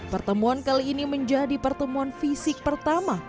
pertemuan kali ini menjadi pertemuan fisik pertama